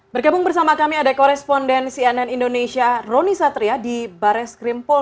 berkabung bersama kami ada koresponden cnn indonesia rony satria di baris krim polri